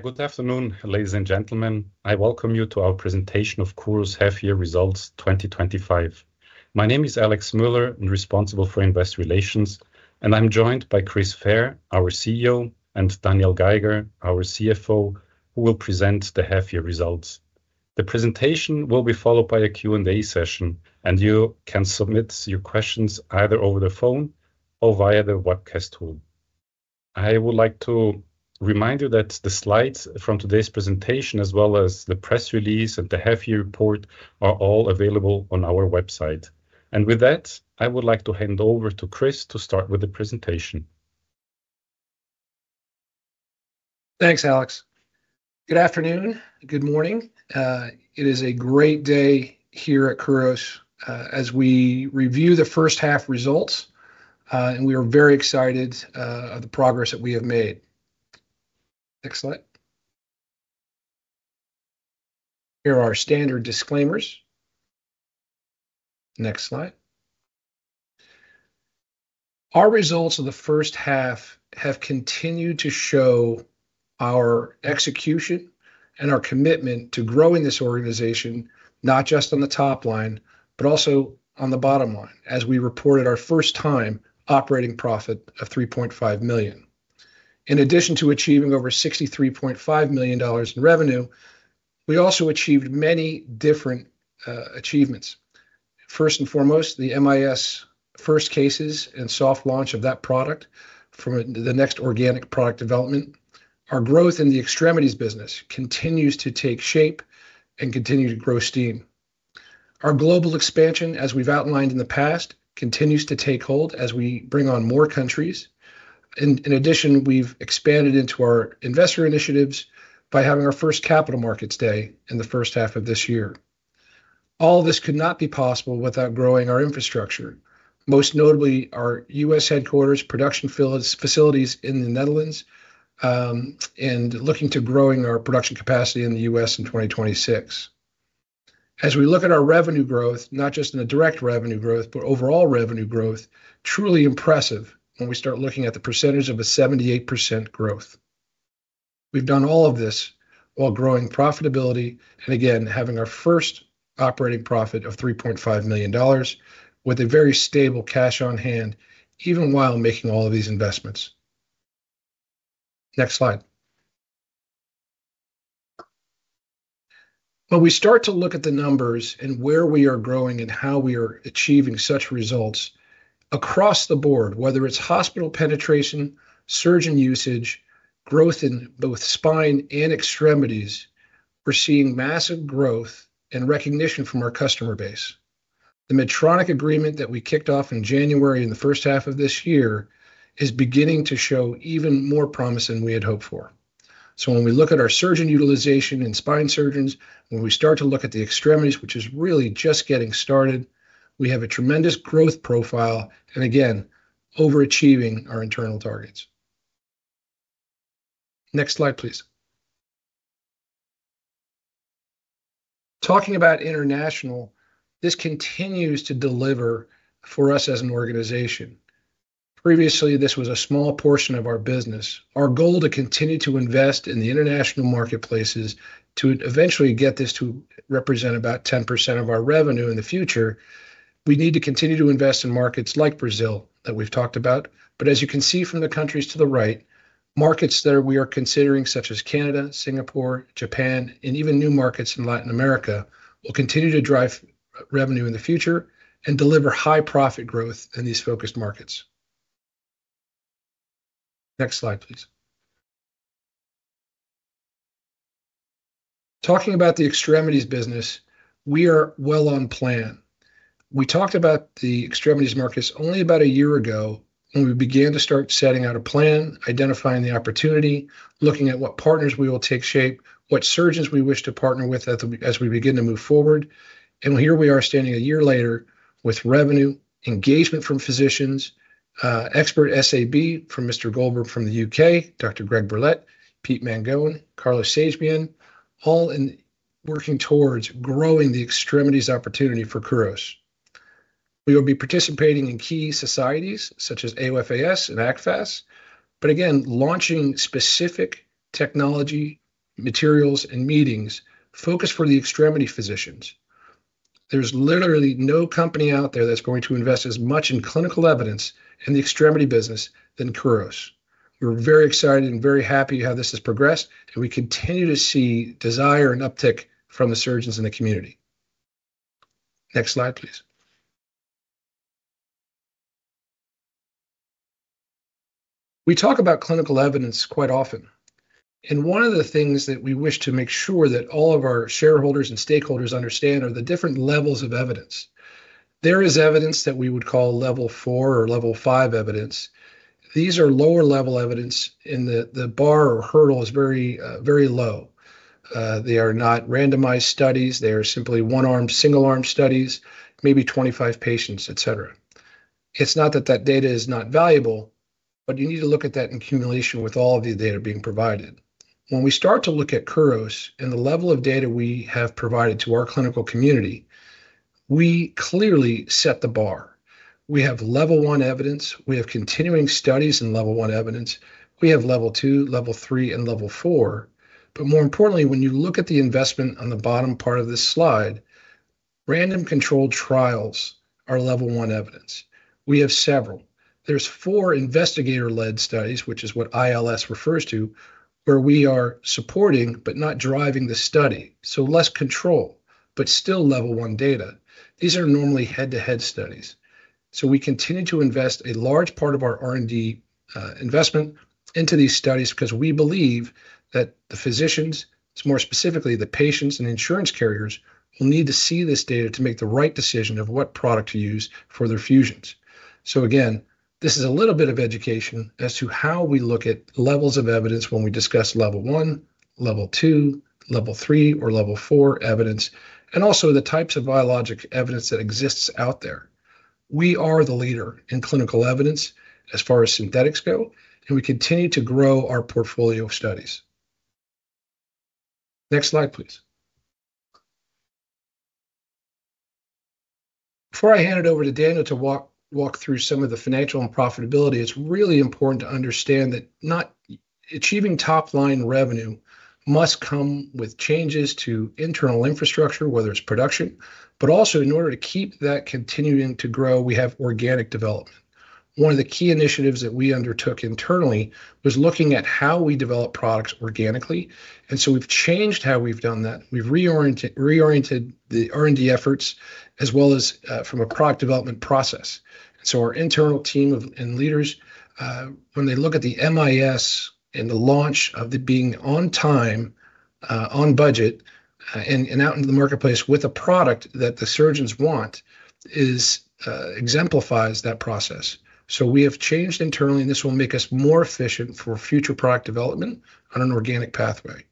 Good afternoon, ladies and gentlemen. I welcome you to our presentation of Kuros Half-Year Results 2025. My name is Alexandre Müller, responsible for Investor Relations, and I'm joined by Chris Fair, our CEO, and Daniel Geiger, our CFO, who will present the half-year results. The presentation will be followed by a Q&A session, and you can submit your questions either over the phone or via the webcast tool. I would like to remind you that the slides from today's presentation, as well as the press release and the half-year report, are all available on our website. With that, I would like to hand over to Chris to start with the presentation. Thanks, Alex. Good afternoon, good morning. It is a great day here at Kuros as we review the first half results, and we are very excited about the progress that we have made. Next slide. Here are our standard disclaimers. Next slide. Our results of the first half have continued to show our execution and our commitment to growing this organization, not just on the top line, but also on the bottom line, as we reported our first-time operating profit of $3.5 million. In addition to achieving over $63.5 million in revenue, we also achieved many different achievements. First and foremost, the MIS first cases and soft launch of that product from the next organic product development. Our growth in the extremities business continues to take shape and continues to grow steam. Our global expansion, as we've outlined in the past, continues to take hold as we bring on more countries. In addition, we've expanded into our investor initiatives by having our first capital markets day in the first half of this year. All of this could not be possible without growing our infrastructure, most notably our U.S. headquarters, production facilities in the Netherlands, and looking to grow our production capacity in the U.S. in 2026. As we look at our revenue growth, not just in a direct revenue growth, but overall revenue growth, truly impressive when we start looking at the percentage of a 78% growth. We've done all of this while growing profitability and, again, having our first operating profit of $3.5 million with a very stable cash on hand, even while making all of these investments. Next slide. When we start to look at the numbers and where we are growing and how we are achieving such results across the board, whether it's hospital penetration, surgeon usage, growth in both spine and extremities, we're seeing massive growth and recognition from our customer base. The Medtronic agreement that we kicked off in January in the first half of this year is beginning to show even more promise than we had hoped for. When we look at our surgeon utilization and spine surgeons, when we start to look at the extremities, which is really just getting started, we have a tremendous growth profile and, again, overachieving our internal targets. Next slide, please. Talking about international, this continues to deliver for us as an organization. Previously, this was a small portion of our business. Our goal is to continue to invest in the international marketplaces to eventually get this to represent about 10% of our revenue in the future. We need to continue to invest in markets like Brazil that we've talked about. As you can see from the countries to the right, markets there we are considering, such as Canada, Singapore, Japan, and even new markets in Latin America, will continue to drive revenue in the future and deliver high-profit growth in these focused markets. Next slide, please. Talking about the extremities business, we are well on plan. We talked about the extremities markets only about a year ago when we began to start setting out a plan, identifying the opportunity, looking at what partners we will take shape, what surgeons we wish to partner with as we begin to move forward. Here we are standing a year later with revenue, engagement from physicians, expert SAB from Mr. Goldberg from the U.K., Dr. Greg Burlett, Pete Mangone, Carlos Sashbian, all working towards growing the extremities opportunity for Kuros. We will be participating in key societies such as AOFAS and ACFAS, launching specific technology, materials, and meetings focused for the extremity physicians. There is literally no company out there that's going to invest as much in clinical evidence in the extremity business than Kuros. We're very excited and very happy how this has progressed, and we continue to see desire and uptick from the surgeons in the community. Next slide, please. We talk about clinical evidence quite often, and one of the things that we wish to make sure that all of our shareholders and stakeholders understand are the different levels of evidence. There is evidence that we would call level four or level five evidence. These are lower-level evidence, and the bar or hurdle is very, very low. They are not randomized studies. They are simply one-arm, single-arm studies, maybe 25 patients, et cetera. It's not that that data is not valuable, but you need to look at that in cumulation with all of the data being provided. When we start to look at Kuros and the level of data we have provided to our clinical community, we clearly set the bar. We have level one evidence. We have continuing studies in level one evidence. We have level two, level three, and level four. More importantly, when you look at the investment on the bottom part of this slide, random controlled trials are level one evidence. We have several. There are four investigator-led studies, which is what ILS refers to, where we are supporting but not driving the study. There is less control, but still level one data. These are normally head-to-head studies. We continue to invest a large part of our R&D investment into these studies because we believe that the physicians, more specifically the patients and insurance carriers, will need to see this data to make the right decision of what product to use for their fusions. This is a little bit of education as to how we look at levels of evidence when we discuss level one, level two, level three, or level four evidence, and also the types of biologic evidence that exist out there. We are the leader in clinical evidence as far as synthetics go, and we continue to grow our portfolio of studies. Next slide, please. Before I hand it over to Daniel to walk through some of the financial and profitability, it's really important to understand that not achieving top-line revenue must come with changes to internal infrastructure, whether it's production, but also in order to keep that continuing to grow, we have organic development. One of the key initiatives that we undertook internally was looking at how we develop products organically. We have changed how we've done that. We've reoriented the R&D efforts as well as from a product development process. Our internal team and leaders, when they look at the MIS and the launch of the being on time, on budget, and out in the marketplace with a product that the surgeons want, it exemplifies that process. We have changed internally, and this will make us more efficient for future product development on an organic pathway.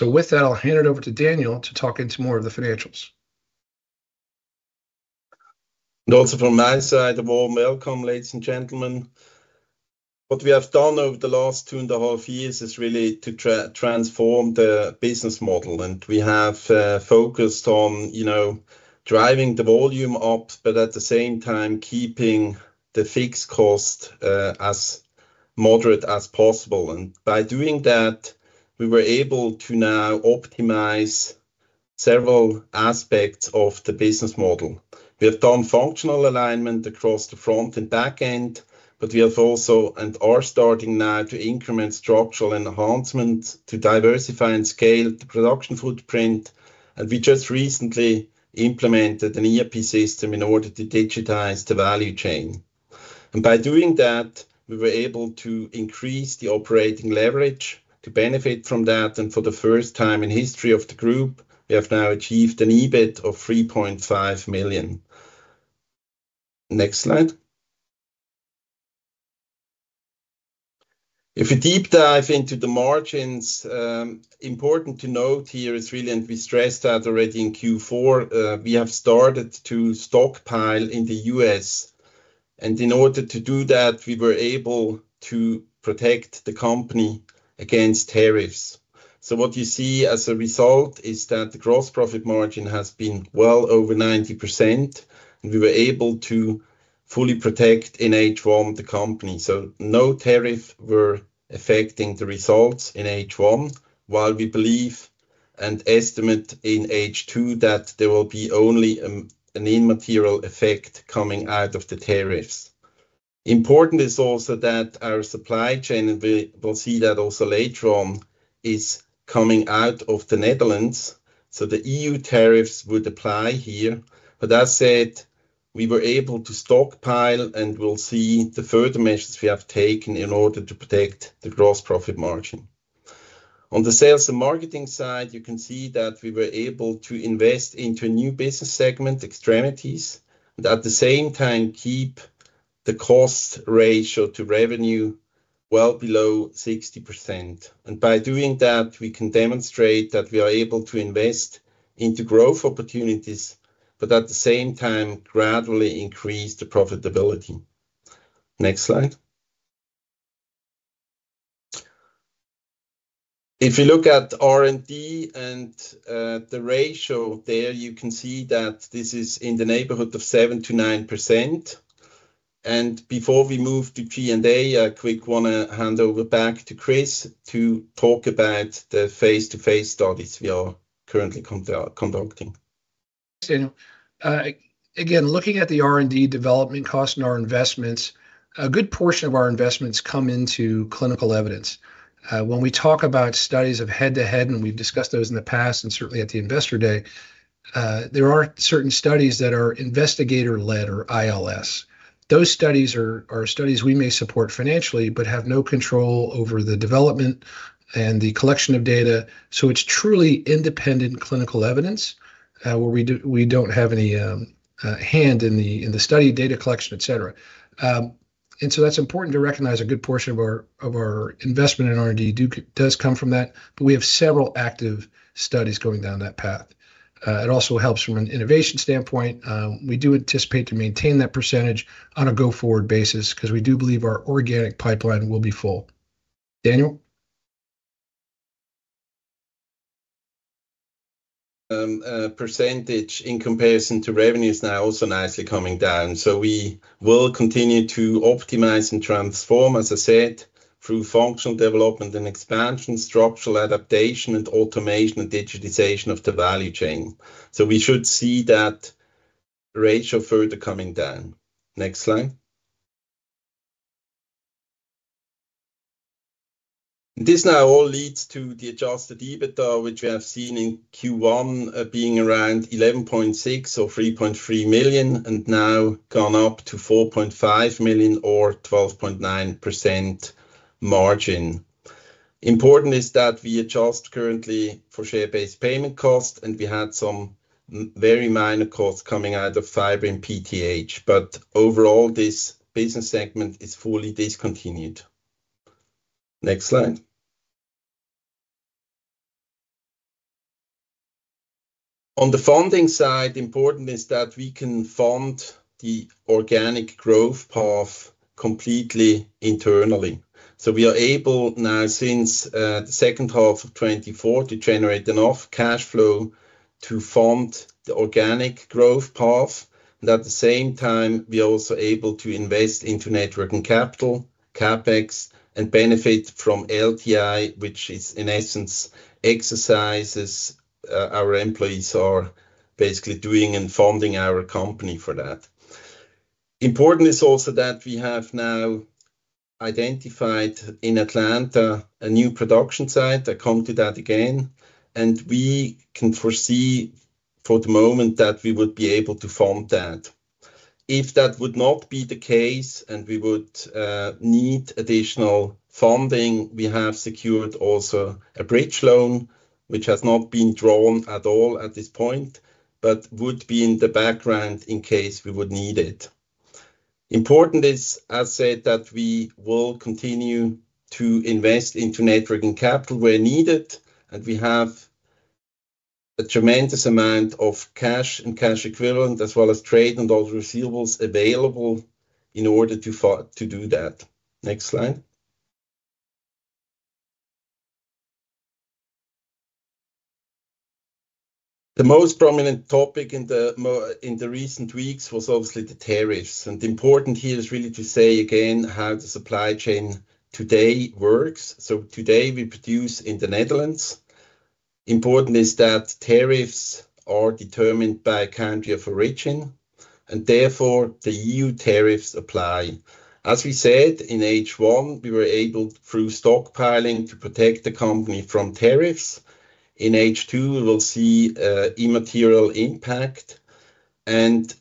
With that, I'll hand it over to Daniel to talk into more of the financials. Not from my side, the warm welcome, ladies and gentlemen. What we have done over the last two and a half years is really to transform the business model. We have focused on driving the volume up, but at the same time, keeping the fixed cost as moderate as possible. By doing that, we were able to now optimize several aspects of the business model. We have done functional alignment across the front and back end, but we have also and are starting now to increment structural enhancements to diversify and scale the production footprint. We just recently implemented an ERP system in order to digitize the value chain. By doing that, we were able to increase the operating leverage to benefit from that. For the first time in the history of the group, we have now achieved an EBIT of 3.5 million. Next slide. If you deep dive into the margins, important to note here is really, and we stressed that already in Q4, we have started to stockpile in the U.S. In order to do that, we were able to protect the company against tariffs. What you see as a result is that the gross profit margin has been well over 90%, and we were able to fully protect in H1 the company. No tariffs were affecting the results in H1, while we believe, and estimate in H2, that there will be only an immaterial effect coming out of the tariffs. Important is also that our supply chain, and we'll see that also later on, is coming out of the Netherlands. The EU tariffs would apply here. As I said, we were able to stockpile, and we'll see the further measures we have taken in order to protect the gross profit margin. On the sales and marketing side, you can see that we were able to invest into a new business segment, extremities, and at the same time, keep the cost ratio to revenue well below 60%. By doing that, we can demonstrate that we are able to invest into growth opportunities, but at the same time, gradually increase the profitability. Next slide. If you look at R&D and the ratio there, you can see that this is in the neighborhood of 7%-9%. Before we move to P&A, I quickly want to hand over back to Chris to talk about the face-to-face studies we are currently conducting. Thanks, Daniel. Again, looking at the R&D development costs and our investments, a good portion of our investments come into clinical evidence. When we talk about studies of head-to-head, and we've discussed those in the past and certainly at the capital markets day, there are certain studies that are investigator-led or ILS. Those studies are studies we may support financially, but have no control over the development and the collection of data. It's truly independent clinical evidence where we don't have any hand in the study data collection, et cetera. That's important to recognize; a good portion of our investment in R&D does come from that. We have several active studies going down that path. It also helps from an innovation standpoint. We do anticipate to maintain that percentage on a go-forward basis because we do believe our organic pipeline will be full. Daniel? Percentage in comparison to revenue is now also nicely coming down. We will continue to optimize and transform, as I said, through functional development and expansion, structural adaptation, and automation and digitization of the value chain. We should see that ratio further coming down. Next slide. This now all leads to the adjusted EBITDA, which we have seen in Q1 being around 3.3 million or 11.6% and now gone up to 4.5 million or 12.9% margin. Important is that we adjust currently for share-based payment costs, and we had some very minor costs coming out of fiber and PTH. Overall, this business segment is fully discontinued. Next slide. On the funding side, important is that we can fund the organic growth path completely internally. We are able now, since the second half of 2024, to generate enough cash flow to fund the organic growth path. At the same time, we are also able to invest into net working capital, CapEx, and benefit from LTI, which is, in essence, exercises. Our employees are basically doing and funding our company for that. Important is also that we have now identified in Atlanta a new production site. I come to that again. We can foresee for the moment that we would be able to fund that. If that would not be the case and we would need additional funding, we have secured also a bridge loan, which has not been drawn at all at this point, but would be in the background in case we would need it. Important is, as I said, that we will continue to invest into net working capital where needed. We have a tremendous amount of cash and cash equivalent, as well as trade and all the receivables available in order to do that. Next slide. The most prominent topic in the recent weeks was obviously the tariffs. Important here is really to say, again, how the supply chain today works. Today, we produce in the Netherlands. Important is that tariffs are determined by country of origin, and therefore, the EU tariffs apply. As we said, in H1, we were able, through stockpiling, to protect the company from tariffs. In H2, we will see an immaterial impact.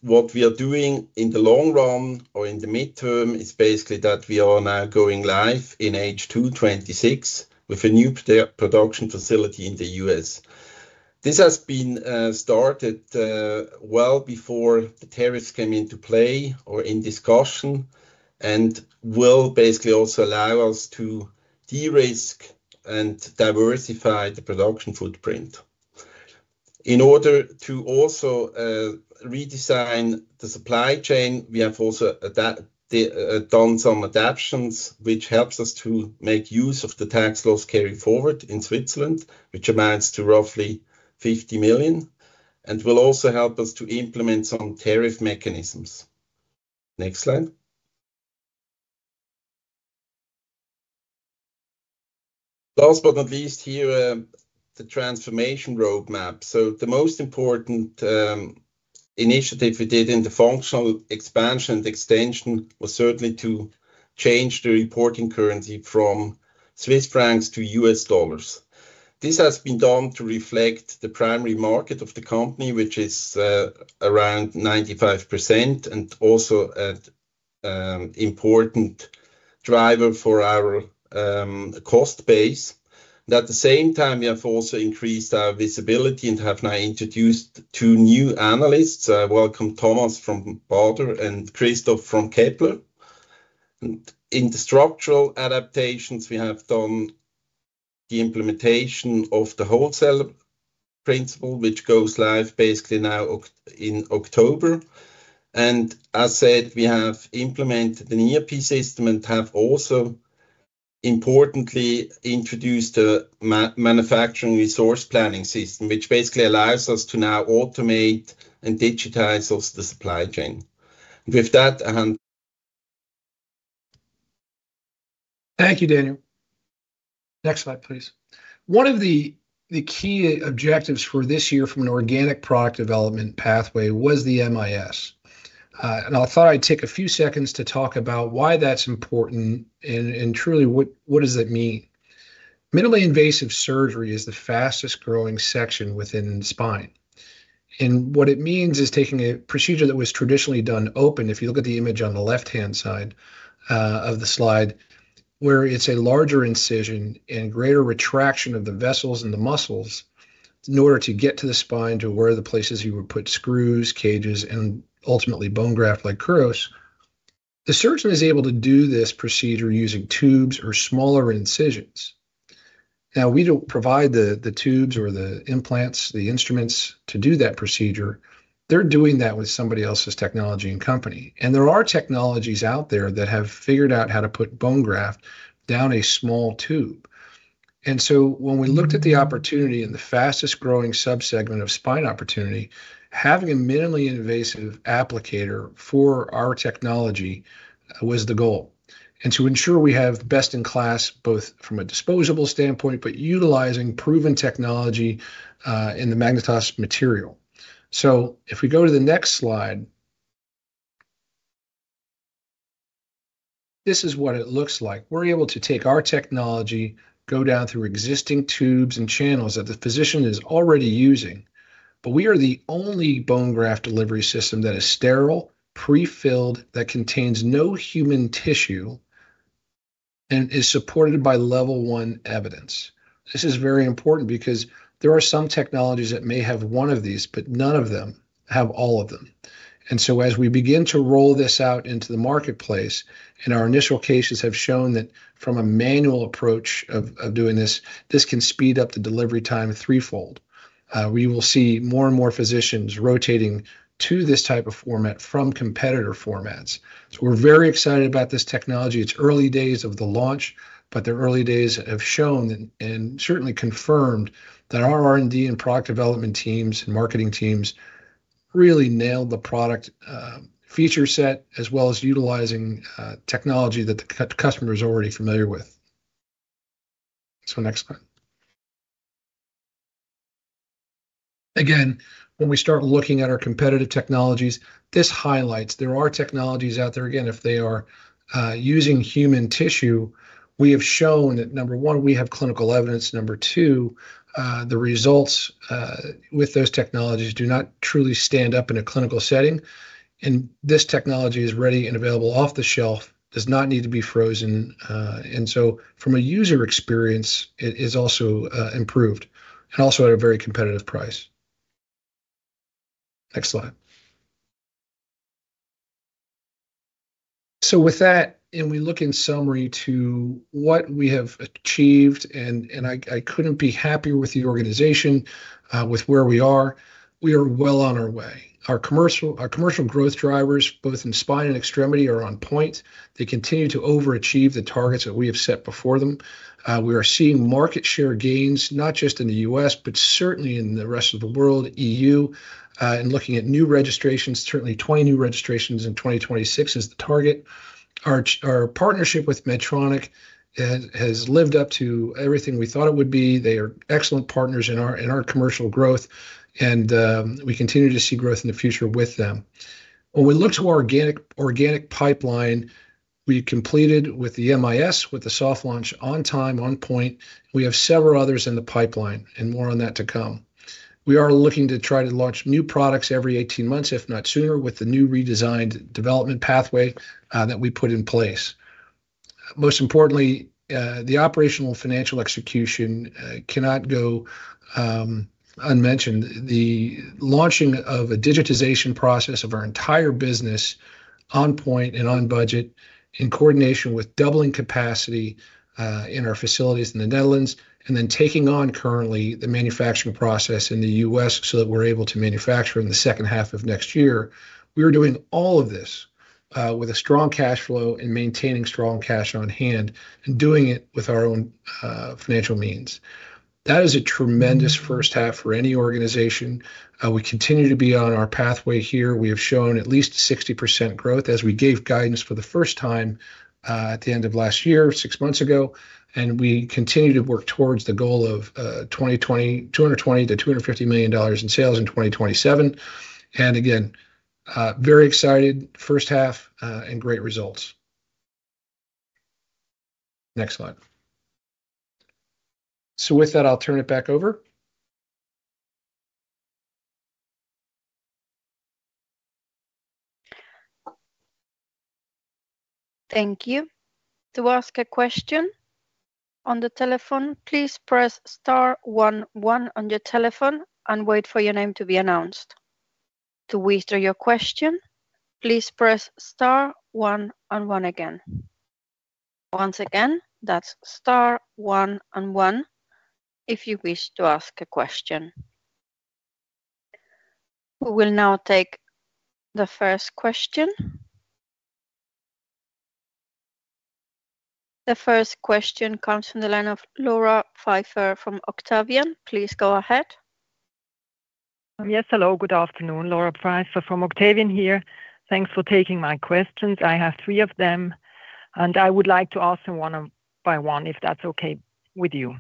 What we are doing in the long run or in the midterm is basically that we are now going live in H2 2026 with a new production facility in the U.S. This has been started well before the tariffs came into play or in discussion and will basically also allow us to de-risk and diversify the production footprint. In order to also redesign the supply chain, we have also done some adaptations, which help us to make use of the tax laws carried forward in Switzerland, which amounts to roughly 50 million. It will also help us to implement some tariff mechanisms. Next slide. Last but not least, here is the transformation roadmap. The most important initiative we did in the functional expansion and extension was certainly to change the reporting currency from Swiss francs to US dollars. This has been done to reflect the primary market of the company, which is around 95%, and also an important driver for our cost base. At the same time, we have also increased our visibility and have now introduced two new analysts. I welcome Thomas from Baader and Christoph from Kepler. In the structural adaptations, we have done the implementation of the wholesale principle, which goes live basically now in October. As I said, we have implemented an ERP system and have also, importantly, introduced a manufacturing resource planning system, which basically allows us to now automate and digitize the supply chain. With that, I hand... Thank you, Daniel. Next slide, please. One of the key objectives for this year from an organic product development pathway was the MIS. I'll try to take a few seconds to talk about why that's important and truly what does that mean. Minimally invasive surgery is the fastest growing section within the spine. What it means is taking a procedure that was traditionally done open, if you look at the image on the left-hand side of the slide, where it's a larger incision and greater retraction of the vessels and the muscles in order to get to the spine to where the places you would put screws, cages, and ultimately bone graft like Kuros. The surgeon is able to do this procedure using tubes or smaller incisions. We don't provide the tubes or the implants, the instruments to do that procedure. They're doing that with somebody else's technology and company. There are technologies out there that have figured out how to put bone graft down a small tube. When we looked at the opportunity and the fastest growing subsegment of spine opportunity, having a minimally invasive applicator for our technology was the goal. To ensure we have best-in-class both from a disposable standpoint, but utilizing proven technology in the MagnetOs material. If we go to the next slide, this is what it looks like. We're able to take our technology, go down through existing tubes and channels that the physician is already using. We are the only bone graft delivery system that is sterile, pre-filled, that contains no human tissue, and is supported by level one evidence. This is very important because there are some technologies that may have one of these, but none of them have all of them. As we begin to roll this out into the marketplace, our initial cases have shown that from a manual approach of doing this, this can speed up the delivery time threefold. We will see more and more physicians rotating to this type of format from competitor formats. We're very excited about this technology. It's early days of the launch, but the early days have shown and certainly confirmed that our R&D and product development teams and marketing teams really nailed the product feature set as well as utilizing technology that the customer is already familiar with. Next slide. When we start looking at our competitive technologies, this highlights there are technologies out there. Again, if they are using human tissue, we have shown that, number one, we have clinical evidence. Number two, the results with those technologies do not truly stand up in a clinical setting. This technology is ready and available off the shelf. It does not need to be frozen. From a user experience, it is also improved and also at a very competitive price. Next slide. With that, we look in summary to what we have achieved, and I couldn't be happier with the organization with where we are. We are well on our way. Our commercial growth drivers, both in spine and extremity, are on point. They continue to overachieve the targets that we have set before them. We are seeing market share gains, not just in the U.S., but certainly in the rest of the world, EU. Looking at new registrations, certainly 20 new registrations in 2026 is the target. Our partnership with Medtronic has lived up to everything we thought it would be. They are excellent partners in our commercial growth, and we continue to see growth in the future with them. When we look to our organic pipeline, we completed with the MIS, with the soft launch on time, on point. We have several others in the pipeline, and more on that to come. We are looking to try to launch new products every 18 months, if not sooner, with the new redesigned development pathway that we put in place. Most importantly, the operational and financial execution cannot go unmentioned. The launching of a digitization process of our entire business, on point and on budget, in coordination with doubling capacity in our facilities in the Netherlands, and then taking on currently the manufacturing process in the U.S. so that we're able to manufacture in the second half of next year. We are doing all of this with a strong cash flow and maintaining strong cash on hand and doing it with our own financial means. That is a tremendous first half for any organization. We continue to be on our pathway here. We have shown at least 60% growth as we gave guidance for the first time at the end of last year, six months ago. We continue to work towards the goal of $220 million-$250 million in sales in 2027. Again, very excited first half and great results. Next slide. With that, I'll turn it back over. Thank you. To ask a question on the telephone, please press star one one on your telephone and wait for your name to be announced. To answer your question, please press star one and one again. Once again, that's star one and one if you wish to ask a question. We will now take the first question. The first question comes from the line of Laura Pfeiffer from Octavian. Please go ahead. Yes. Hello. Good afternoon. Laura Pfeiffer from Octavian here. Thanks for taking my questions. I have three of them, and I would like to answer one by one, if that's okay with you.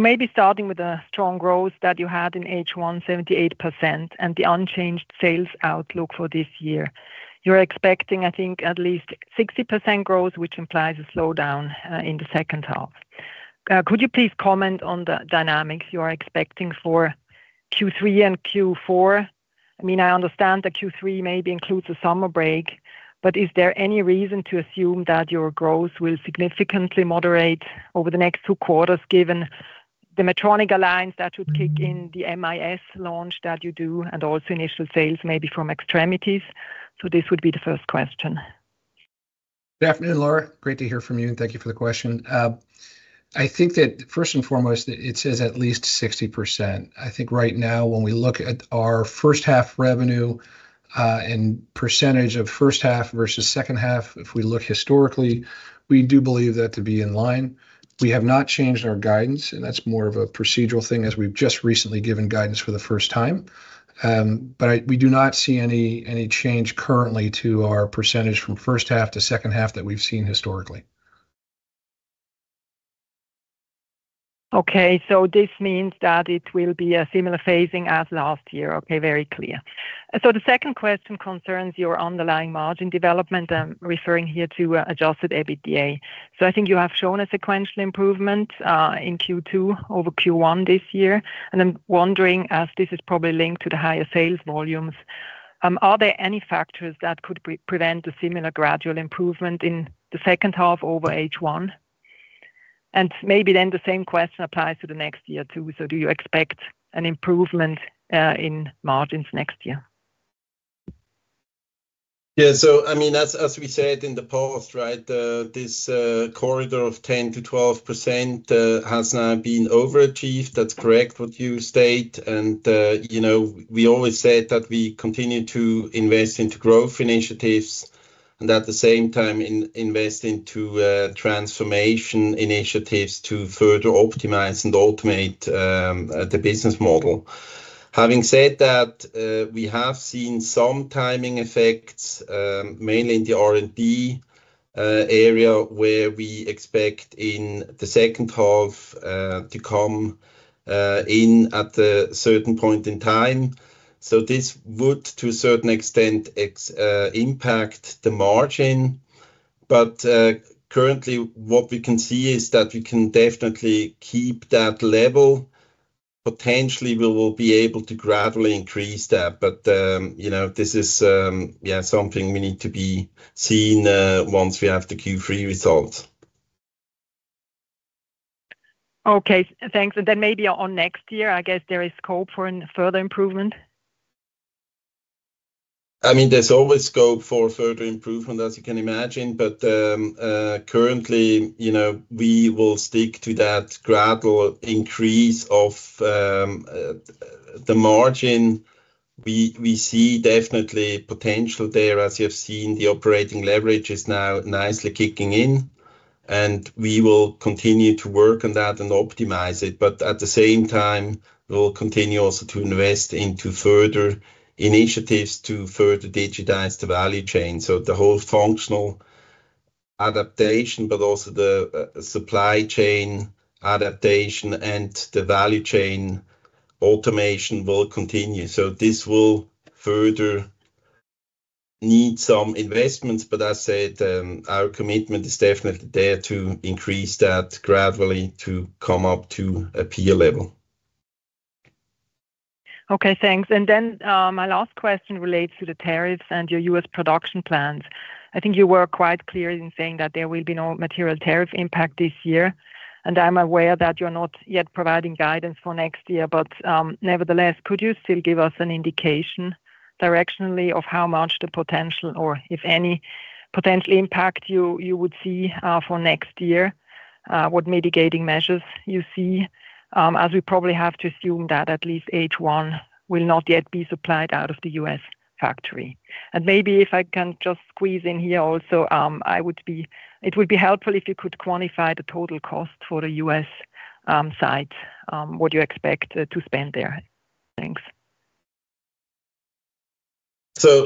Maybe starting with the strong growth that you had in H1, 78%, and the unchanged sales outlook for this year. You're expecting, I think, at least 60% growth, which implies a slowdown in the second half. Could you please comment on the dynamics you are expecting for Q3 and Q4? I understand that Q3 maybe includes a summer break, but is there any reason to assume that your growth will significantly moderate over the next two quarters, given the Medtronic alliance that should kick in, the MIS launch that you do, and also initial sales maybe from extremities? This would be the first question. Good afternoon, Laura. Great to hear from you, and thank you for the question. I think that first and foremost, it says at least 60%. I think right now, when we look at our first half revenue and percentage of first half versus second half, if we look historically, we do believe that to be in line. We have not changed our guidance, and that's more of a procedural thing as we've just recently given guidance for the first time. We do not see any change currently to our percentage from first half to second half that we've seen historically. Okay. This means that it will be a similar phasing as last year. Very clear. The second question concerns your underlying margin development. I'm referring here to adjusted EBITDA. I think you have shown a sequential improvement in Q2 over Q1 this year. I'm wondering, as this is probably linked to the higher sales volumes, are there any factors that could prevent a similar gradual improvement in the second half over H1? Maybe the same question applies to next year too. Do you expect an improvement in margins next year? Yeah. As we said in the post, this corridor of 10%-12% has now been overachieved. That's correct, what you state. You know we always said that we continue to invest into growth initiatives and at the same time invest into transformation initiatives to further optimize and automate the business model. Having said that, we have seen some timing effects, mainly in the R&D area where we expect in the second half to come in at a certain point in time. This would, to a certain extent, impact the margin. Currently, what we can see is that we can definitely keep that level. Potentially, we will be able to gradually increase that. This is something we need to see once we have the Q3 results. Okay. Thanks. Maybe on next year, I guess there is scope for further improvement? I mean, there's always scope for further improvement, as you can imagine. Currently, you know we will stick to that gradual increase of the margin. We see definitely potential there, as you have seen. The operating leverage is now nicely kicking in. We will continue to work on that and optimize it. At the same time, we will continue also to invest into further initiatives to further digitize the value chain. The whole functional adaptation, but also the supply chain adaptation and the value chain automation will continue. This will further need some investments. As I said, our commitment is definitely there to increase that gradually to come up to a peer level. Okay. Thanks. My last question relates to the tariffs and your U.S. production plans. I think you were quite clear in saying that there will be no material tariff impact this year. I'm aware that you're not yet providing guidance for next year. Could you still give us an indication directionally of how much the potential, or if any, potential impact you would see for next year, what mitigating measures you see, as we probably have to assume that at least H1 will not yet be supplied out of the U.S. factory? Maybe if I can just squeeze in here also, it would be helpful if you could quantify the total cost for the U.S. site, what do you expect to spend there? Thanks.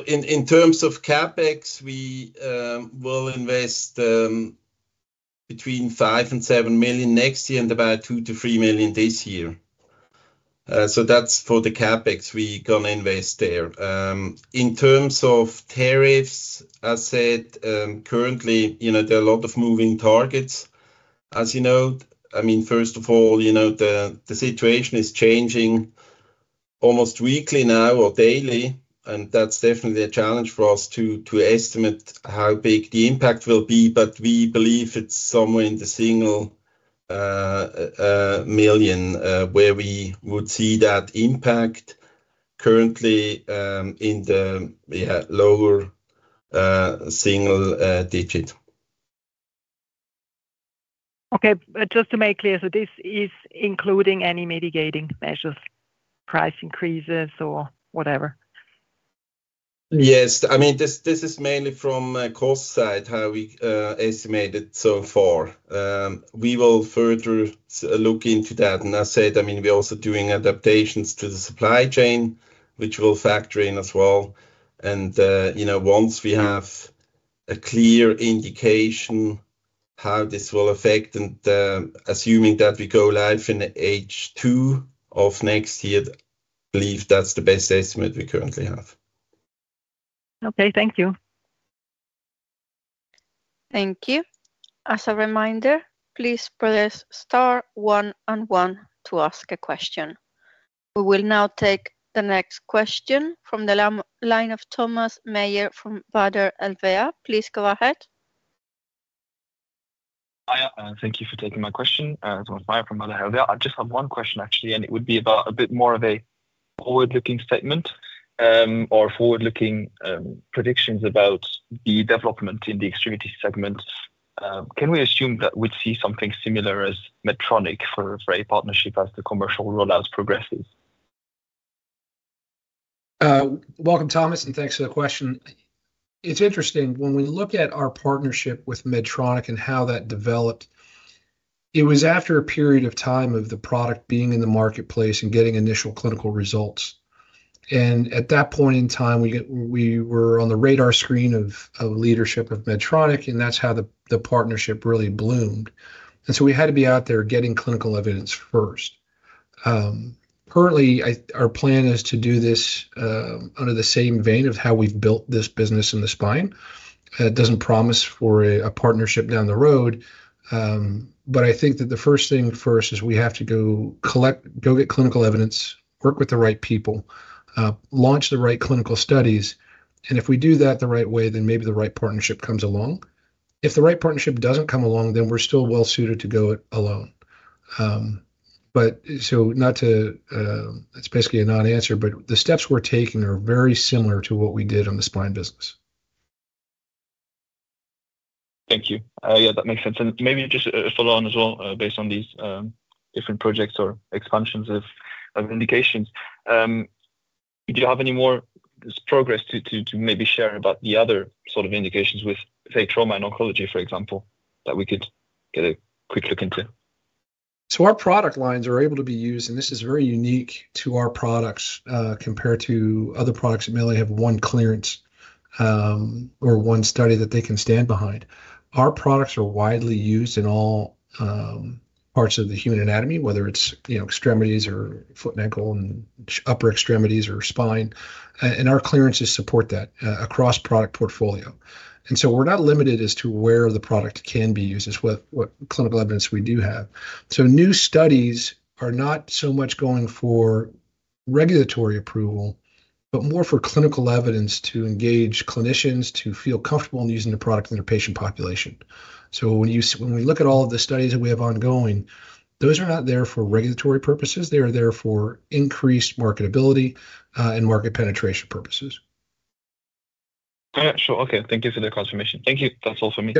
In terms of CapEx, we will invest between $5 million and $7 million next year and about $2 million-$3 million this year. That's for the CapEx we're going to invest there. In terms of tariffs, as I said, currently there are a lot of moving targets. The situation is changing almost weekly now or daily. That's definitely a challenge for us to estimate how big the impact will be. We believe it's somewhere in the single million where we would see that impact, currently in the lower single digit. Okay. Just to make clear, this is including any mitigating measures, price increases, or whatever? Yes. I mean, this is mainly from a cost side, how we estimate it so far. We will further look into that. As I said, we're also doing adaptations to the supply chain, which will factor in as well. Once we have a clear indication of how this will affect, and assuming that we go live in H2 of next year, I believe that's the best estimate we currently have. Okay, thank you. Thank you. As a reminder, please press star one and one to ask a question. We will now take the next question from the line of Thomas Meyer from Baader Helvea. Please go ahead. Hi. Thank you for taking my question, Thomas Meyer from Baader Helvea. I just have one question, actually, and it would be about a bit more of a forward-looking statement or forward-looking predictions about the development in the extremity segment. Can we assume that we'd see something similar as Medtronic for a partnership as the commercial rollouts progress? Welcome, Thomas, and thanks for the question. It's interesting. When we look at our partnership with Medtronic and how that developed, it was after a period of time of the product being in the marketplace and getting initial clinical results. At that point in time, we were on the radar screen of leadership of Medtronic, and that's how the partnership really bloomed. We had to be out there getting clinical evidence first. Currently, our plan is to do this under the same vein of how we've built this business in the spine. It doesn't promise for a partnership down the road. I think that the first thing first is we have to go collect, go get clinical evidence, work with the right people, launch the right clinical studies. If we do that the right way, then maybe the right partnership comes along. If the right partnership doesn't come along, we're still well suited to go it alone. Basically, the steps we're taking are very similar to what we did on the spine business. Thank you. Yeah, that makes sense. Maybe just a follow-on as well, based on these different projects or expansions of indications. Do you have any more progress to maybe share about the other sort of indications with, say, trauma and oncology, for example, that we could get a quick look into? Our product lines are able to be used, and this is very unique to our products compared to other products that may only have one clearance or one study that they can stand behind. Our products are widely used in all parts of the human anatomy, whether it's extremities or foot and ankle and upper extremities or spine. Our clearances support that across product portfolio. We're not limited as to where the product can be used as what clinical evidence we do have. New studies are not so much going for regulatory approval, but more for clinical evidence to engage clinicians to feel comfortable in using the product in a patient population. When we look at all of the studies that we have ongoing, those are not there for regulatory purposes. They are there for increased marketability and market penetration purposes. All right. Sure. Okay. Thank you for the confirmation. Thank you. That's all for me.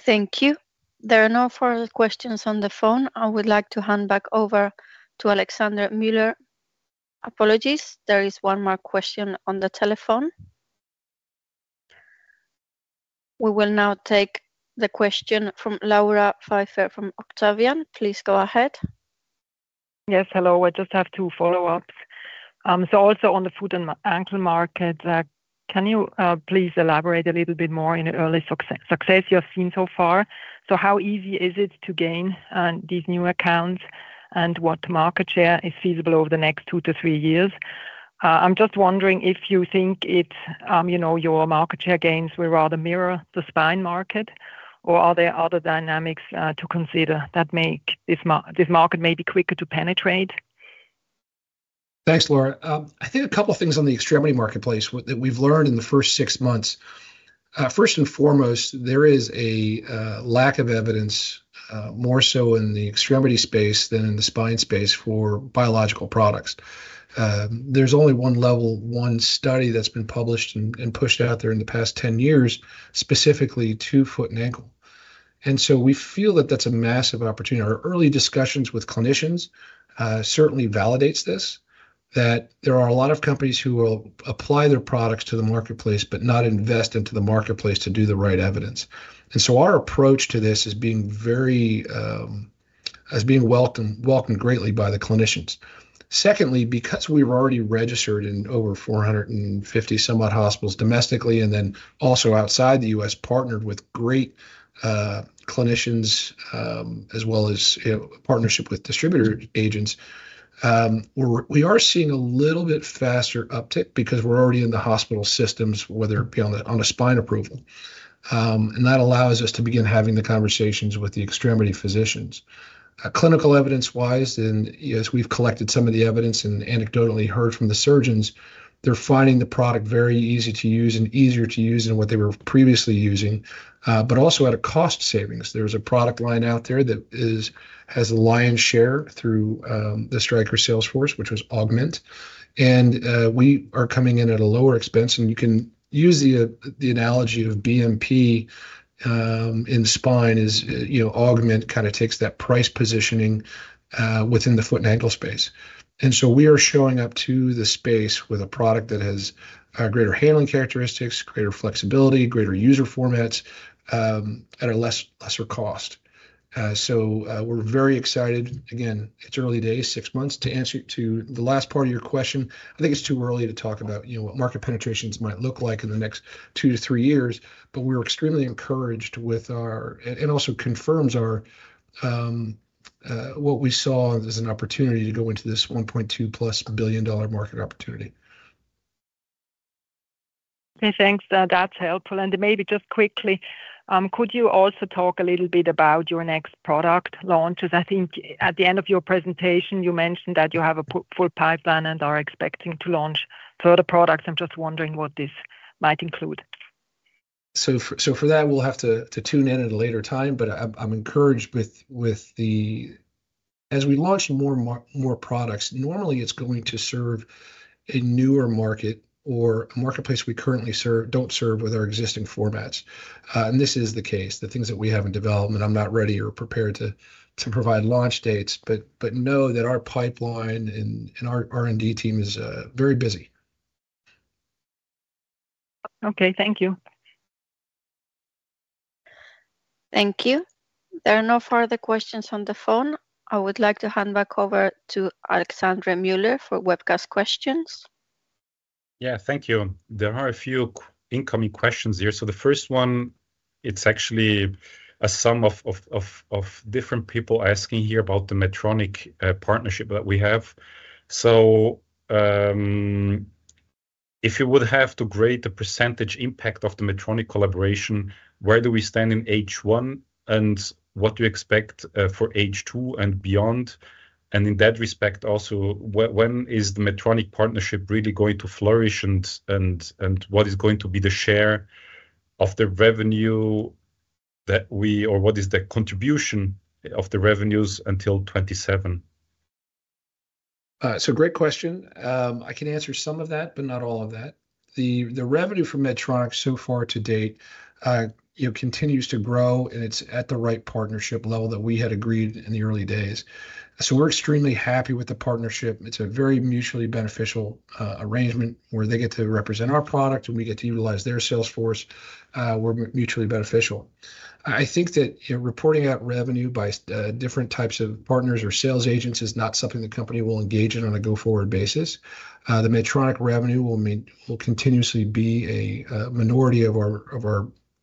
Thank you. There are no further questions on the phone. I would like to hand back over to Alexandre Müller. Apologies, there is one more question on the telephone. We will now take the question from Laura Pfeiffer from Octavian. Please go ahead. Yes. Hello. I just have two follow-ups. Also, on the foot and ankle market, can you please elaborate a little bit more on the early success you have seen so far? How easy is it to gain these new accounts, and what market share is feasible over the next two to three years? I'm just wondering if you think your market share gains will rather mirror the spine market, or are there other dynamics to consider that make this market maybe quicker to penetrate? Thanks, Laura. I think a couple of things on the extremity marketplace that we've learned in the first six months. First and foremost, there is a lack of evidence, more so in the extremity space than in the spine space for biological products. There's only one level one study that's been published and pushed out there in the past 10 years, specifically to foot and ankle. We feel that that's a massive opportunity. Our early discussions with clinicians certainly validate this, that there are a lot of companies who will apply their products to the marketplace, but not invest into the marketplace to do the right evidence. Our approach to this is being very welcomed greatly by the clinicians. Secondly, because we've already registered in over 450 somewhat hospitals domestically and then also outside the U.S., partnered with great clinicians as well as a partnership with distributor agents, we are seeing a little bit faster uptick because we're already in the hospital systems, whether it be on a spine approval. That allows us to begin having the conversations with the extremity physicians. Clinical evidence-wise, and as we've collected some of the evidence and anecdotally heard from the surgeons, they're finding the product very easy to use and easier to use than what they were previously using. Also, at a cost savings, there's a product line out there that has a lion's share through the Stryker sales force, which was Augment. We are coming in at a lower expense. You can use the analogy of BMP in the spine as Augment kind of takes that price positioning within the foot and ankle space. We are showing up to the space with a product that has greater handling characteristics, greater flexibility, greater user formats, at a lesser cost. We're very excited. Again, it's early days, six months. To answer the last part of your question, I think it's too early to talk about what market penetrations might look like in the next two to three years. We're extremely encouraged with our and also confirms what we saw as an opportunity to go into this $1.2+ billion market opportunity. Okay. Thanks. That's helpful. Maybe just quickly, could you also talk a little bit about your next product launch? I think at the end of your presentation, you mentioned that you have a full pipeline and are expecting to launch further products. I'm just wondering what this might include. For that, we'll have to tune in at a later time. I'm encouraged with the, as we launch more products, normally it's going to serve a newer market or a marketplace we currently don't serve with our existing formats. This is the case. The things that we have in development, I'm not ready or prepared to provide launch dates, but know that our pipeline and our R&D team is very busy. Okay, thank you. Thank you. There are no further questions on the phone. I would like to hand back over to Alexandre Müller for webcast questions. Thank you. There are a few incoming questions here. The first one is actually a sum of different people asking about the Medtronic partnership that we have. If you would have to grade the percentage impact of the Medtronic collaboration, where do we stand in H1 and what do you expect for H2 and beyond? In that respect, also, when is the Medtronic partnership really going to flourish and what is going to be the share of the revenue that we or what is the contribution of the revenues until 2027? Great question. I can answer some of that, but not all of that. The revenue for Medtronic so far to date continues to grow, and it's at the right partnership level that we had agreed in the early days. We're extremely happy with the partnership. It's a very mutually beneficial arrangement where they get to represent our product and we get to utilize their sales force. We're mutually beneficial. I think that reporting out revenue by different types of partners or sales agents is not something the company will engage in on a go-forward basis. The Medtronic revenue will continuously be a minority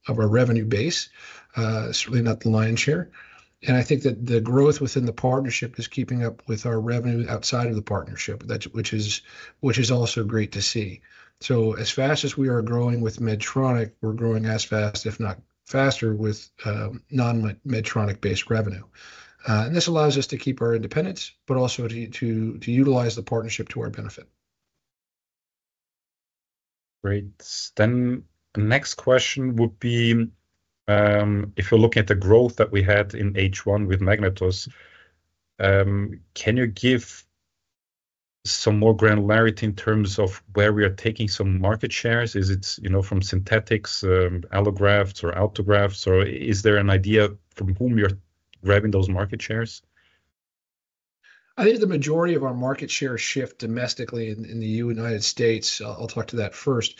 of our revenue base, certainly not the lion's share. I think that the growth within the partnership is keeping up with our revenue outside of the partnership, which is also great to see. As fast as we are growing with Medtronic, we're growing as fast, if not faster, with non-Medtronic-based revenue. This allows us to keep our independence, but also to utilize the partnership to our benefit. Great. The next question would be, if you're looking at the growth that we had in H1 with MagnetOs, can you give some more granularity in terms of where we are taking some market shares? Is it from synthetics, allografts, or autografts? Is there an idea from whom you're grabbing those market shares? I think the majority of our market share shift domestically in the United States, I'll talk to that first,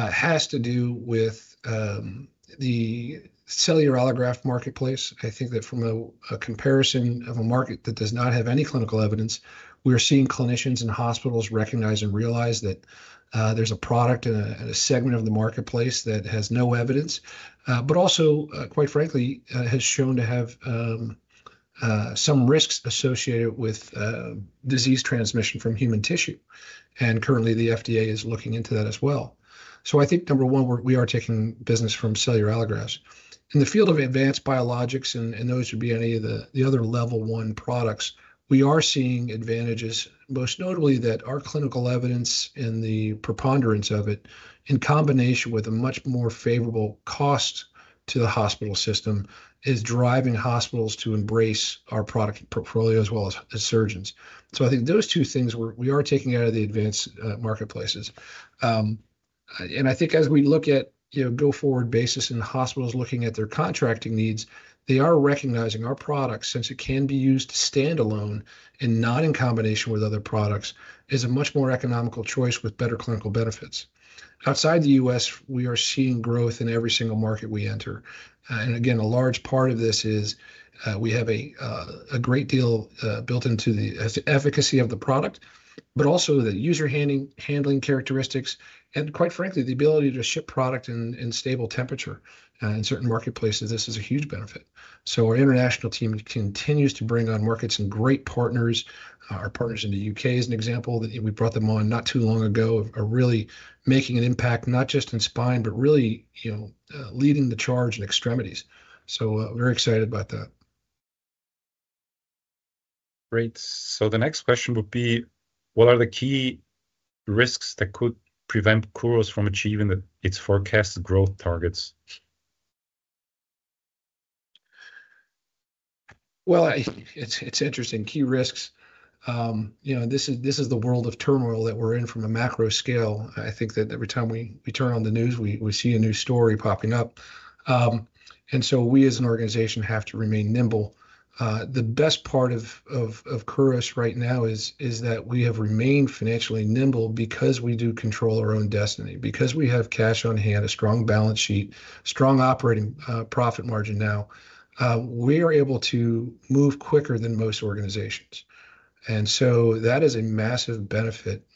has to do with the cellular allograft marketplace. I think that from a comparison of a market that does not have any clinical evidence, we're seeing clinicians and hospitals recognize and realize that there's a product in a segment of the marketplace that has no evidence, but also, quite frankly, has shown to have some risks associated with disease transmission from human tissue. Currently, the FDA is looking into that as well. I think, number one, we are taking business from cellular allografts. In the field of advanced biologics, and those would be any of the other level one products, we are seeing advantages, most notably that our clinical evidence and the preponderance of it, in combination with a much more favorable cost to the hospital system, is driving hospitals to embrace our product portfolio as well as surgeons. I think those two things we are taking out of the advanced marketplaces. I think as we look at a go-forward basis and hospitals looking at their contracting needs, they are recognizing our product, since it can be used standalone and not in combination with other products, is a much more economical choice with better clinical benefits. Outside the U.S., we are seeing growth in every single market we enter. A large part of this is we have a great deal built into the efficacy of the product, but also the user handling characteristics. Quite frankly, the ability to ship product in stable temperature in certain marketplaces, this is a huge benefit. Our international team continues to bring on markets and great partners. Our partners in the U.K. is an example that we brought them on not too long ago, really making an impact, not just in spine, but really leading the charge in extremities. Very excited about that. Great. The next question would be, what are the key risks that could prevent Kuros from achieving its forecasted growth targets? It's interesting. Key risks. You know, this is the world of turmoil that we're in from a macro scale. I think that every time we turn on the news, we see a new story popping up. We, as an organization, have to remain nimble. The best part of Kuros right now is that we have remained financially nimble because we do control our own destiny. Because we have cash on hand, a strong balance sheet, strong operating profit margin now, we are able to move quicker than most organizations. That is a massive benefit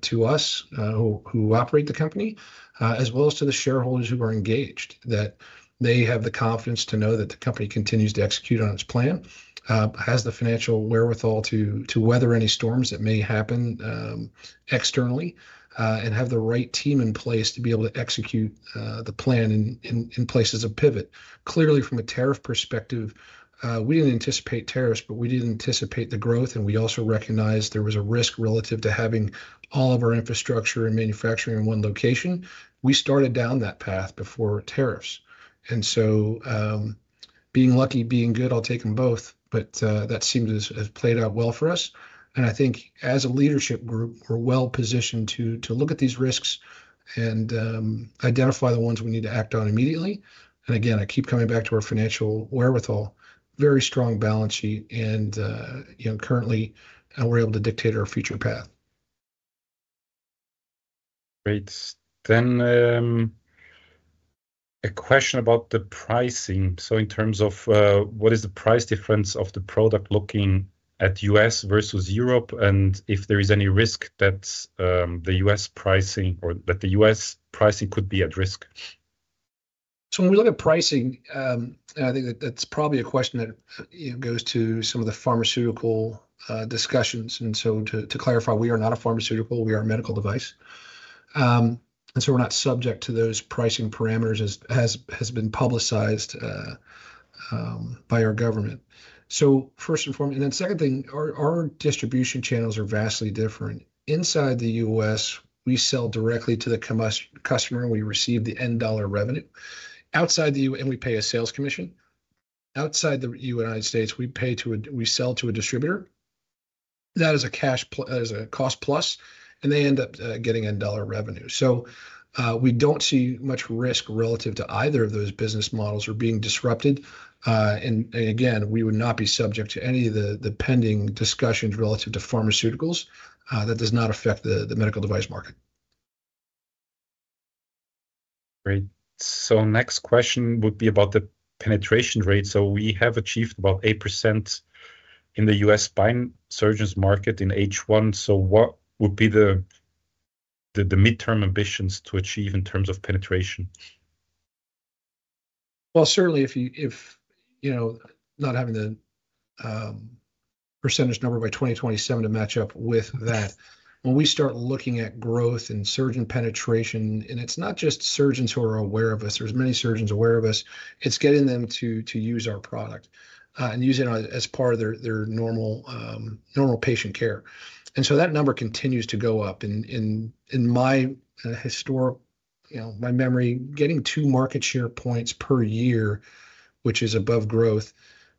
to us who operate the company, as well as to the shareholders who are engaged, that they have the confidence to know that the company continues to execute on its plan, has the financial wherewithal to weather any storms that may happen externally, and have the right team in place to be able to execute the plan in places of pivot. Clearly, from a tariff perspective, we didn't anticipate tariffs, but we didn't anticipate the growth. We also recognized there was a risk relative to having all of our infrastructure and manufacturing in one location. We started down that path before tariffs. Being lucky, being good, I'll take them both. That seemed to have played out well for us. I think as a leadership group, we're well positioned to look at these risks and identify the ones we need to act on immediately. I keep coming back to our financial wherewithal, very strong balance sheet. Currently, we're able to dictate our future path. Great. A question about the pricing. In terms of what is the price difference of the product looking at U.S. versus Europe, and if there is any risk that the U.S. pricing could be at risk? When we look at pricing, I think that that's probably a question that goes to some of the pharmaceutical discussions. To clarify, we are not a pharmaceutical. We are a medical device, and we're not subject to those pricing parameters as has been publicized by our government. First and foremost, our distribution channels are vastly different. Inside the U.S., we sell directly to the customer, and we receive the end dollar revenue. Outside the U.S., we pay a sales commission. Outside the United States, we sell to a distributor. That is a cost plus, and they end up getting end dollar revenue. We don't see much risk relative to either of those business models or being disrupted. Again, we would not be subject to any of the pending discussions relative to pharmaceuticals. That does not affect the medical device market. Great. Next question would be about the penetration rate. We have achieved about 8% in the U.S. spine surgeons market in H1. What would be the midterm ambitions to achieve in terms of penetration? If you know not having the percentage number by 2027 to match up with that, when we start looking at growth and surgeon penetration, it's not just surgeons who are aware of us. There are many surgeons aware of us. It's getting them to use our product and use it as part of their normal patient care. That number continues to go up. In my historic memory, getting two market share points per year, which is above growth,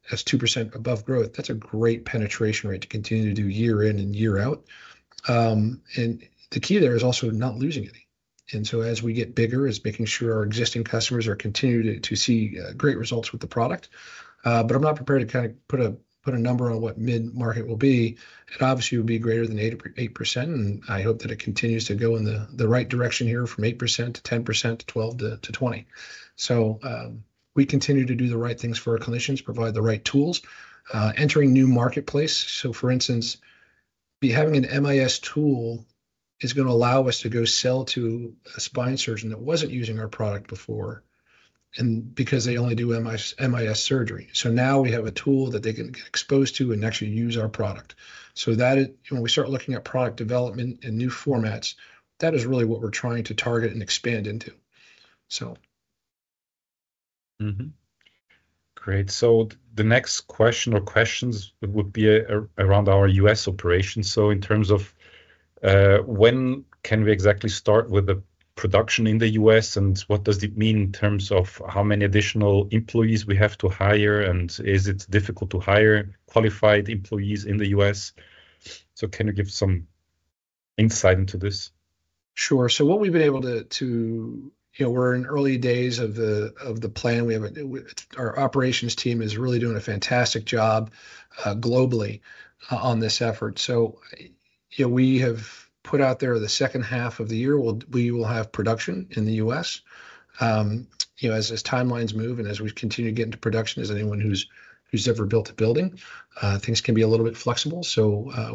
that's 2% above growth. That's a great penetration rate to continue to do year in and year out. The key there is also not losing any. As we get bigger, it's making sure our existing customers continue to see great results with the product. I'm not prepared to put a number on what mid-market will be. It obviously would be greater than 8%. I hope that it continues to go in the right direction here from 8% to 10% to 12% to 20%. We continue to do the right things for our clinicians, provide the right tools, entering new marketplaces. For instance, having an MIS tool is going to allow us to go sell to a spine surgeon that wasn't using our product before because they only do MIS surgery. Now we have a tool that they can get exposed to and actually use our product. That is when we start looking at product development and new formats, that is really what we're trying to target and expand into. Great. The next question or questions would be around our U.S. operations. In terms of when can we exactly start with the production in the U.S., and what does it mean in terms of how many additional employees we have to hire, and is it difficult to hire qualified employees in the U.S.? Can you give some insight into this? Sure. What we've been able to, you know, we're in early days of the plan. Our operations team is really doing a fantastic job globally on this effort. We have put out there the second half of the year, we will have production in the U.S. As timelines move and as we continue to get into production, as anyone who's ever built a building, things can be a little bit flexible.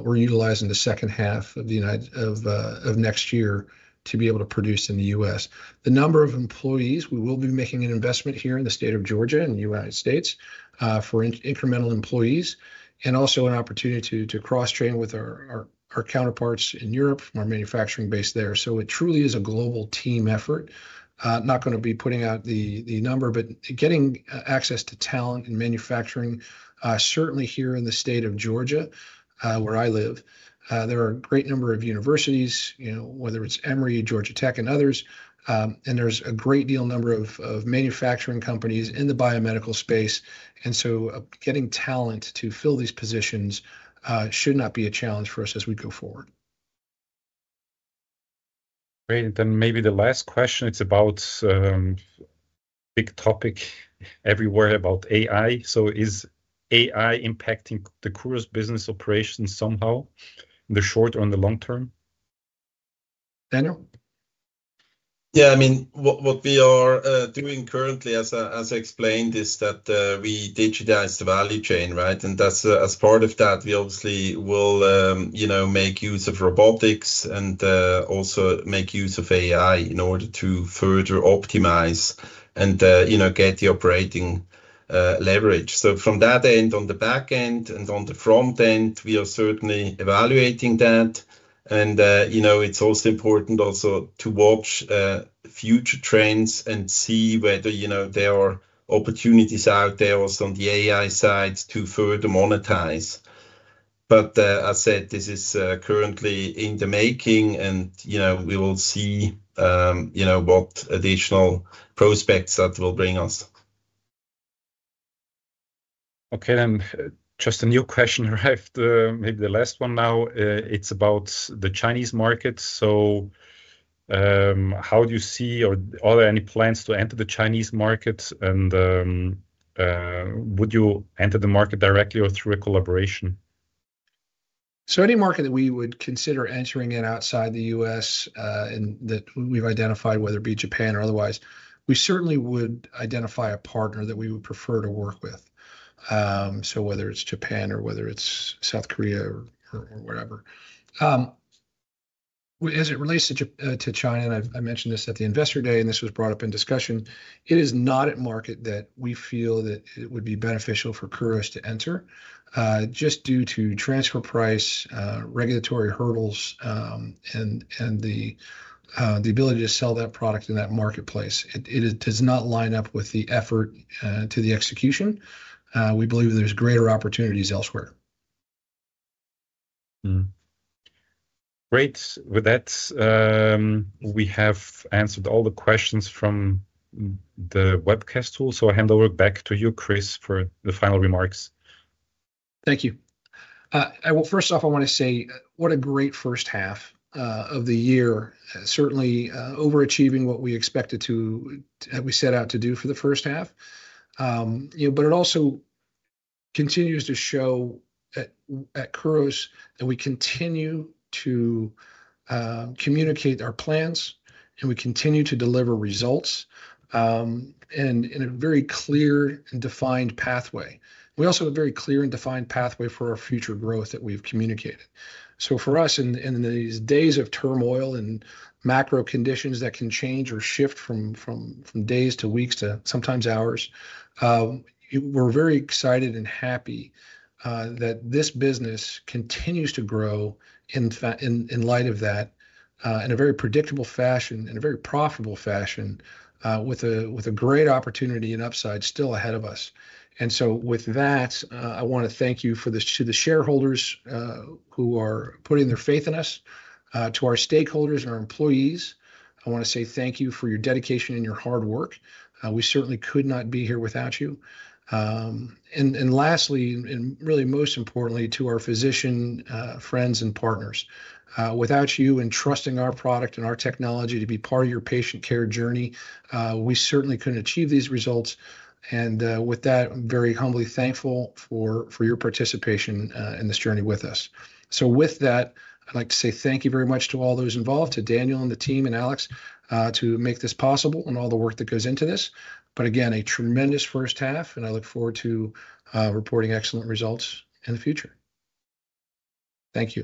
We're utilizing the second half of next year to be able to produce in the U.S. The number of employees, we will be making an investment here in the state of Georgia and the United States for incremental employees and also an opportunity to cross-train with our counterparts in Europe from our manufacturing base there. It truly is a global team effort. I'm not going to be putting out the number, but getting access to talent and manufacturing, certainly here in the state of Georgia, where I live, there are a great number of universities, you know, whether it's Emory, Georgia Tech, and others. There's a great deal number of manufacturing companies in the biomedical space. Getting talent to fill these positions should not be a challenge for us as we go forward. Great. Maybe the last question, it's about a big topic everywhere about AI. Is AI impacting the Kuros business operations somehow in the short or in the long term? Daniel? Yeah. What we are doing currently, as I explained, is that we digitize the value chain, right? As part of that, we obviously will make use of robotics and also make use of AI in order to further optimize and get the operating leverage. From that end, on the back end and on the front end, we are certainly evaluating that. It's also important to watch future trends and see whether there are opportunities out there also on the AI sides to further monetize. As I said, this is currently in the making, and we will see what additional prospects that will bring us. Okay. Just a new question here, maybe the last one now. It's about the Chinese market. How do you see or are there any plans to enter the Chinese market? Would you enter the market directly or through a collaboration? Any market that we would consider entering in outside the U.S. and that we've identified, whether it be Japan or otherwise, we certainly would identify a partner that we would prefer to work with. Whether it's Japan or whether it's South Korea or whatever. As it relates to China, and I mentioned this at the capital markets day, and this was brought up in discussion, it is not a market that we feel that it would be beneficial for Kuros to enter just due to transfer price, regulatory hurdles, and the ability to sell that product in that marketplace. It does not line up with the effort to the execution. We believe there's greater opportunities elsewhere. Great. With that, we have answered all the questions from the webcast tool. I hand over back to you, Chris, for the final remarks. Thank you. First off, I want to say what a great first half of the year, certainly overachieving what we expected to have we set out to do for the first half. It also continues to show at Kuros that we continue to communicate our plans, and we continue to deliver results in a very clear and defined pathway. We also have a very clear and defined pathway for our future growth that we've communicated. For us, in these days of turmoil and macro conditions that can change or shift from days to weeks to sometimes hours, we're very excited and happy that this business continues to grow in light of that in a very predictable fashion, in a very profitable fashion, with a great opportunity and upside still ahead of us. With that, I want to thank you to the shareholders who are putting their faith in us, to our stakeholders and our employees. I want to say thank you for your dedication and your hard work. We certainly could not be here without you. Lastly, and really most importantly, to our physician friends and partners. Without you and trusting our product and our technology to be part of your patient care journey, we certainly couldn't achieve these results. With that, I'm very humbly thankful for your participation in this journey with us. With that, I'd like to say thank you very much to all those involved, to Daniel and the team and Alexandre, to make this possible and all the work that goes into this. Again, a tremendous first half, and I look forward to reporting excellent results in the future. Thank you.